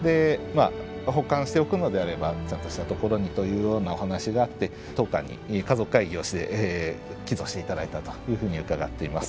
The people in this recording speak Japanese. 保管しておくのであればちゃんとしたところにというようなお話があって当館に家族会議をして寄贈して頂いたというふうに伺っています。